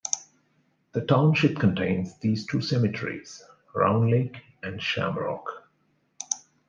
The township contains these two cemeteries: Round Lake and Shamrock.